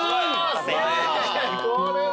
これは。